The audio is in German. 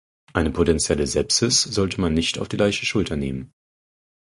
Eine potentielle Sepsis sollte man nicht auf die leichte Schulter nehmen.